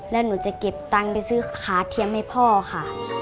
แล้วหนูจะเก็บตังค์ไปซื้อขาเทียมให้พ่อค่ะ